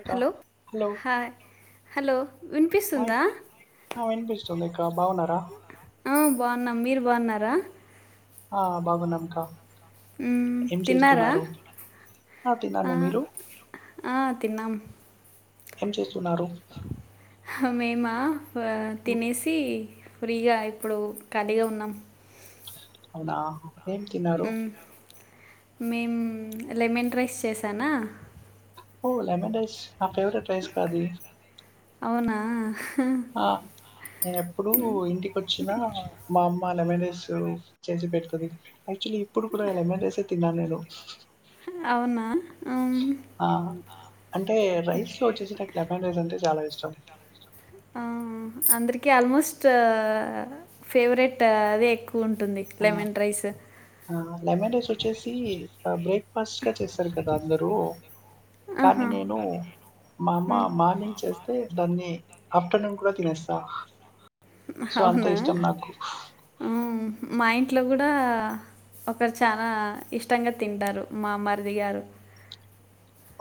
అక్క hello hello hi hello hi వినిపిస్సుందా ఆ వినిపిస్తుంది క్కా బాగున్నారా బాన్నార ఆ బాగున్నాం క్కా ఉమ్ తిన్నారా ఆ తిన్నాను మీరు ఆ తిన్నాం ఏం చేసు హా మేమా వా ఉమ్, తినేసి ఫ్రీగా ఇప్పుడు ఖాళీగా ఉన్నాం అవునా ఏం తిన్నారు మేం లెమన్ రైస్ చేసానా హో లెమన్ రైస్ నా ఫేవరెట్ రైస్ కా అది ఆహ్ ఆ నేను ఎప్పుడూ ఇంటికొచ్చిన మా అమ్మ లెమెన్ రైస్ చేసి పెడుతది యాక్చువల్లీ ఇప్పుడు కూడా లెమెన్ రైసే తిన్నా నేను అవునా మ్మ్, ఆ అంటే రైస్ లో వచ్చేసి నాకు లెఫన్ రైస్ అంటే చాలా ఇష్ చం ఆ అందరికి ఆల్మోస్ట్ ఫేవరెట్ అదే ఎక్కు లె ఆ లెమన్ రైస్ ఆ లెమన్ రైస్ వచ్చేసి ఆ బ్రేక్ఫాస్ట్గా చేస్తారు కదా అందరూ కానీ ఆహా నేను మా అమ్మ మ్మ్. మార్నింగ్ చేస్తే దాన్ని ఆఫ్టర్నూన్ కూడా తినేస్సా హవునా ఉమ్ మా ఇంట్లో కూడా ఒకరు చాలా ఇష్టంగా తింటారు మా మర్ది గారు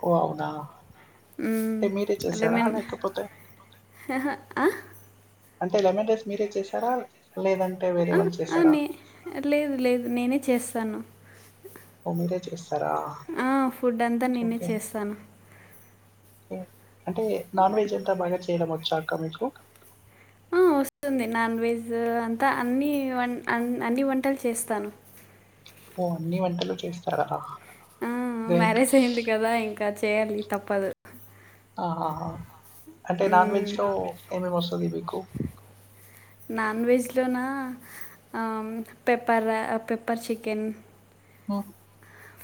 ఓ అవునా అంటే మీరే ఉ చేసారా లెమెన్ లేకపోతే అంటే లెమన్ రైస్ మీరే చేశారా లేదంటే వేరే ఆ, వాల్ ఆ, చేశారా నే లేదు లేదు నేనే చేస్తాను ఓ మీరే చేస్తారా ఆ, ఫుడ్ అంతా నేనే ఓకే చేస్తాను అంటే నాన్ వెజ్ అంతా బాగా చేయడం వచ్చా అక్క మీకు వంది నాన్ వెజ్ అంతా అన్ని వన్ ఆన్ అన్ని వంటలు చేస్తాను ఓ అన్ని వంటలు చేస్తారా ఆ గ్రేట్ మ్యారేజ్ అయింది కదా ఇంకా చేయాలి తప్పదు ఆ ఆ ఆ అంటే నాన్ మ్మ్. వెజ్లో ఏమేమి వస్తుంది మీకు నాన్ వెజ్లోన పెప్పర పెప్పర్ చికెన్ ఉ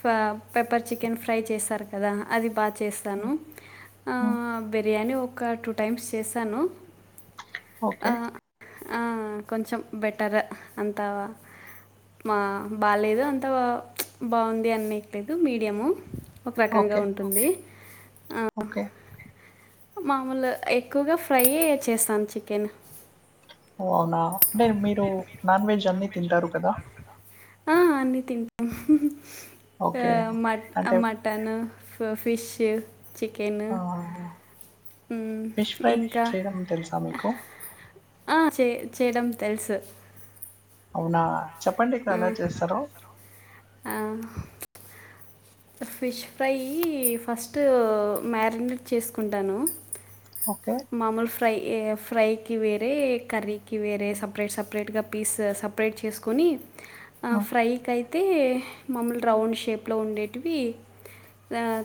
ఫ పెప్పర్ చికెన్ ఫ్రై చేస్తారు కదా అది బా చేస్తాను మ్మ్, ఆ మ్మ్. బిర్యాని ఒక టు టైమ్స్ చేశాను ఓకే కొంచెం బెటర్ అంతా మా బాలేదు అంత బాగుంది అనేయట్లేదు మీడియము ఒక రకంగా ఓకే ఉంటుంది ఓకే మామూలు ఎక్కువగా ఫ్రై యే చేస్తాను చికెన్ ఓ అవునా అంటే మీరు నాన్ వెజ్ అన్నీ తింటారు కదా తింటా ఓకే మ అంటే మటను ఫిష్ చికెను ఆ, ఉ ఫిష్ ఫ్రై ఇంకా చేయడం తెలుసా మీకు ఆ చే చేయడం తెలుసు అవునా చెప్పండి ఇకా ఆ! ఎలా చేస్తారో ఆ ఫిష్ ఫ్రై ఫస్ట్ మ్యారినేట్ చేసుకుంటాను ఓకే మామూలు ఫ్రై ఫ్రైకి వేరే కర్రీకి వేరే సపరేట్ సపరేట్గా పీస్ సపరేట్ చేసుకొని ఆ ఉమ్, ఫ్రై కై త్ అయితే మాములు రౌండ్ షేప్లో ఉండేటివి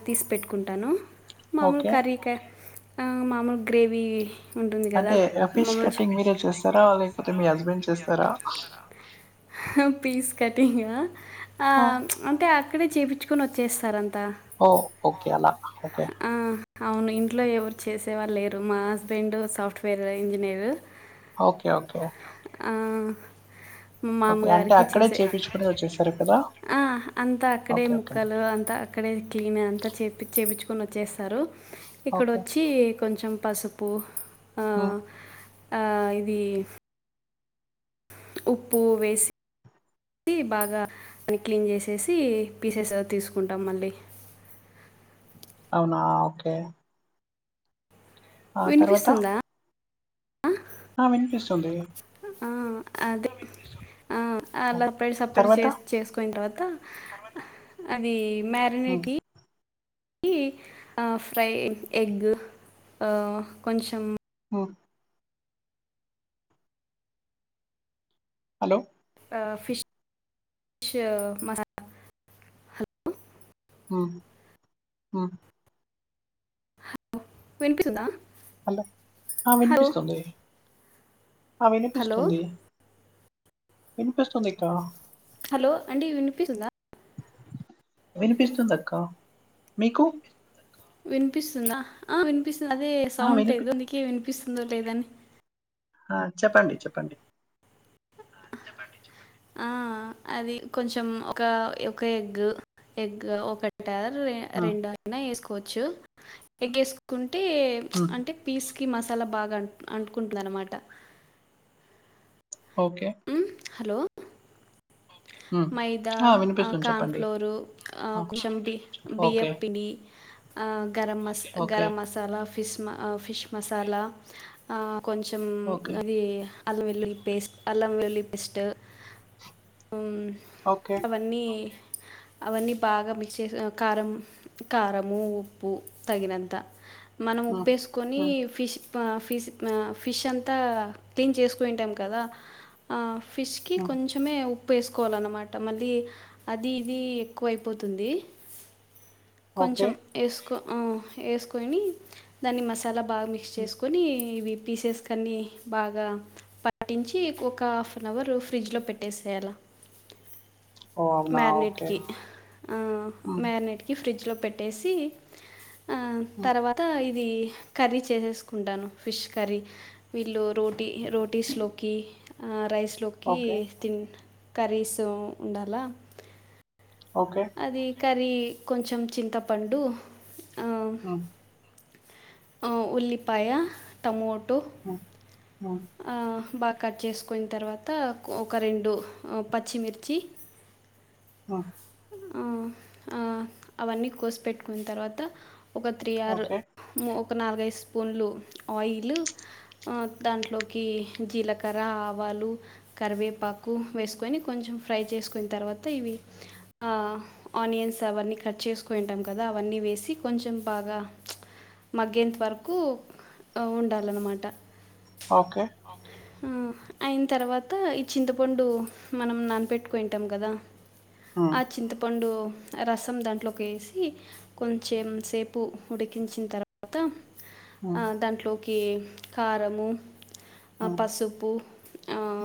తీసి పెట్టుకుంటాను మామూలు ఓకే కర్రి కె ఆ మామూలు గ్రేవీ ఉంటుంది కదా అంటే ఫిష్ మామూలు చ- కటింగ్ మీరే చేస్తారా లేకపోతే మీ హస్బెండ్ చేస్తారా చేస్తారా పీస్ కటింగ్ ఆ అంటే అక్కడే చేపించుకొని వచ్చేస్తారు అ ఓ ఓకే అలా ఓకే ఆ, అవును ఇంట్లో ఎవరు చేసే వాళ్ళు లేరు మా husband software engineer okay okay ఆ ఓకే అంటే మామగారికి అక్కడే చేసె చేపించుకుని వచ్చేస్తారు కదా ఆ అంతా అక్కడే ఓకే ఓకే ముక్కలు అంతా అక్కడే క్లీన్ అంతా చేపి చేపిచ్చు కుని వచ్చస్తారు ఇక్కడ ఓకే వచ్చి కొంచెం పసుపు ఆ ఉమ్, ఆ ఇది ఉప్పు వేసి బాగా దన్ని క్లీన్ చేసేసి పీసెస్ తీసుకుంటాం మళ్ళీ అవునా ఓకే ఆ తర్వాత వినిపిస్తుందా ఆ వినిపిస్తుంది ఆ అదే ఆ ఆ, అలా పై సపరేట్ తర్వాత చే చేసుకొయింటారు అది ఉమ్, మ్యారినిటి ఆ ఫ్రై ఎగ్ ఆ కొంచెం ఆ హలో ఆ ఫిష్ మసాల హలో ఆ వినిపిస్తుందా హలో ఆ హలో వినిపిస్తుంది ఆ హలో వినిపిస్తుంది వినిపిస్తుంది అక్క హలో అండి వినిపిస్తుందా వినిపిస్తుంది అక్క మీకు వినిపిస్తుందా ఆ వినిపిస్తుంది అదే ఆ సౌండ్ వినిపి లేదు నీకు వినిపిస్తుందో లేదని ఆ చెప్పండి చెప్పండి ఆ అది కొంచెం ఒక ఒక ఎగ్ ఎగ్ ఒకటి ఆ రెండు అన్న వేసుకోవచ్చు ఎగ్ ఎసుకొ అంటే ఉమ్ అంటే పీస్కి మసాలా బాగా అంటుకుంటుందన్న మాట ఓకే హలో ఉమ్ మైదా ఆ వినిపిస్తుంది కన్ఫ్ చెప్పండి లోర్ ఆ కొంచెం బి ఓకే బియ్యప్పిండి ఆ గరం మసా ఓకే గరం మసాలా ఫిష్ మసా ఫిష్ మసాలా ఆ కొంచెం ఓకే అది అల్లం వెల్లుల్లి పేస్ట్ అల్లం వెల్లులి పేస్ట్ ఓకే అవన్నీ అవన్నీ బాగా మిక్స్ చేసి కారం కారము ఉప్పు తగినంత మనం ఉమ్ ఉప్పేసుకొని ఉమ్ ఫిష్ ఆ ఫిష్ ఫిష్ అంతా క్లీన్ చేసుకొయిటాం కదా ఆ ఫిష్కి ఉమ్ కొంచమే ఉప్ ఉప్పు వేసుకోవాలన్నమాట మళ్ళీ అది ఇది ఎక్కువ అయిపోతుంది ఓకే కొంచెం ఏసుకొ ఆ ఏసుకొని దాన్ని మాసా చాలా బాగా మిక్స్ ఉమ్ చేసుకొని ఇవి పీసెస్ కన్ని బాగా పట్టించి ఒక హాఫ్ అన్ అవర్ ఫ్రిడ్జ్ లో పెట్టేసేయాల ఓ అవునా ఓకే మ్యారినేట్కి ఆ ఉమ్ మ్యారినేట్కి ఫ్రిడ్జ్ లో పెట్టేసి ఆ ఉమ్ తర్వాత ఇది కర్రీ చేసేసుకుంటాను ఫిష్ కర్రీ వీళ్ళు రోటీ రోటీస్లోకి ఆ రైస్లోకి ఓకే తిన్ కర్రీస్ ఉండల్ల ఓకే కర్రీ కొంచెం చింతపండు ఆ ఉల్లిపాయ టమోటో ఉమ్ ఉమ్ ఆ భా కట్ చేసుకొయిన తర్వాత ఒక రెండు పచ్చిమిర్చి ఆ ఆ ఆ అవన్నీ కోసిపెట్టుకున్న తర్వాత ఒక త్రీ ఆర్ ఓకే మో ఒక నాలుగై స్పూన్లు ఆయిల్ దాంట్లోకి జీలకర్ర ఆవ లు కరివేపాకు వేసుకొని కొంచెం ఫ్రై చేసుకొని తర్వాత ఇవి ఆ ఆనియన్స్ అవన్నీ కట్ చేసుకుంటాం కదా అవన్నీ వేసి కొంచం బాగా మగ్గెంత వరకు ఉండాలన మాట ఓకే అ అయిన తర్వాత ఈ చింతపండు మనం నానపెట్టుకొనింటాం కదా ఉమ్ ఆ చింతపండు రసం దాంట్లోకి వేసి కొంచెం సేపు ఉడికించిన తర్వాత ఆ ఉమ్ దాంట్లోకి కారము ఆ ఉమ్ పసుపు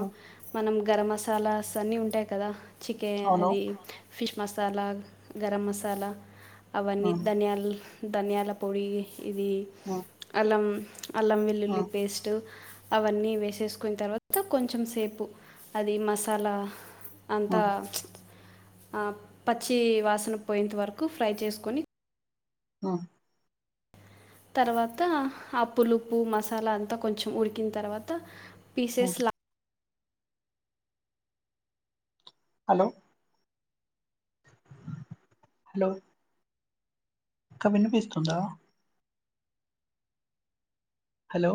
ఉమ్ మనం గరం మసాలాస్ అన్నీ ఉంటాయి కదా చికె అవును అది ఫిష్ మసాలా గరం మసాలా అవన్నీ ఉమ్ ధనియాల్ ధనియాల పొడి ఇది ఉమ్ అల్లం అల్లం వెల్లుల్లి ఉమ్ పేస్టు అవన్నీ వేసేసుకోయినా తర్వాత కొంచం సేపు అది మసాలా అంత ఉమ్ ఆ పచ్చి వాసనా పోయేంత వరకు ఫ్రై చేసుకొని ఆ తర్వాత ఆ పులుపు మసాలా అంతా కొంచం ఉడికిన తర్వాత ఉమ్ పీసేస్లా హలో హలో అక్క వినిపిస్తుందా hello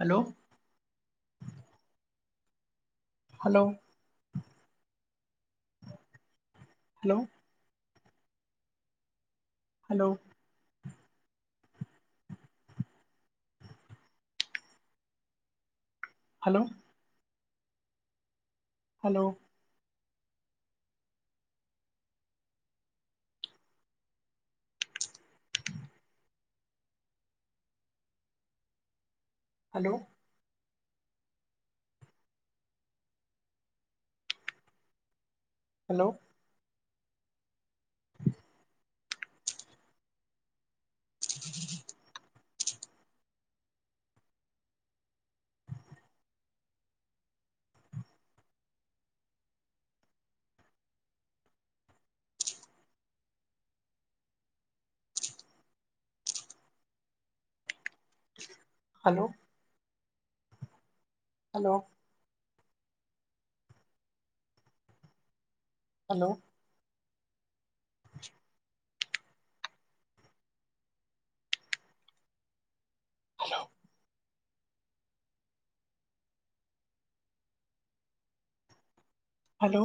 hello hello hello hello hello hello hello hello గి [inaudible] హలో హలో హలో ఉప్చ్ hello hello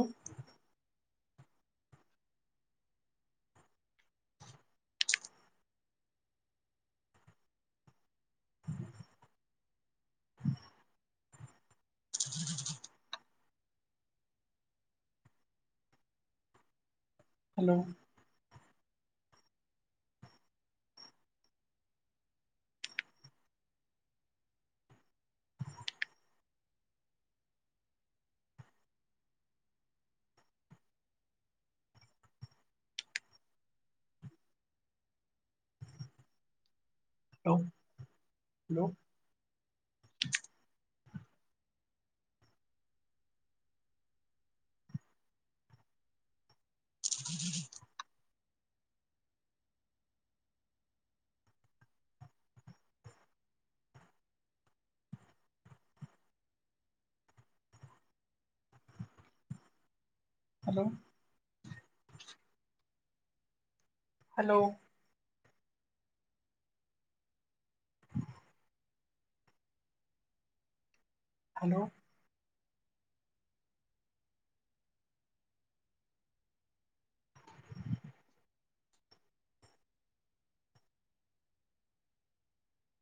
కదిది [unintelligible] hello hello hello హ [unintelligible] హలో హలో హలో